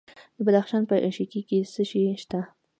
د بدخشان په شکی کې څه شی شته؟